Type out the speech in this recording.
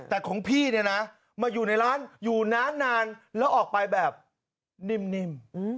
แต่ของพี่เนี่ยนะมาอยู่ในร้านอยู่นานแล้วออกไปแบบนิ่ม